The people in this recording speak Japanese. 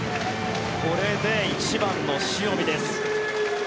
これで１番の塩見です。